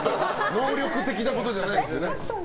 能力的なことじゃないですよね。